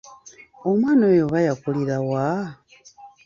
Omwana oyo oba yakulira wa?